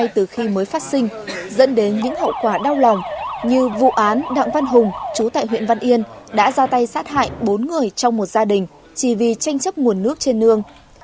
từ khi mới phát sinh dẫn đến những hậu quả đau lòng như vụ án đặng văn hùng chú tại huyện văn yên đã ra tay sát hại bốn người trong một gia đình chỉ vì tranh chấp nguồn nước trên nương